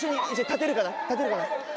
立てるかな？